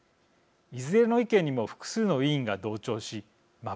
いずれの意見にも複数の委員が同調し真っ